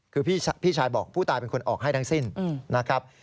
คือพี่ชายบอกผู้ตายเป็นคนออกให้ทั้งสิ้นนะครับ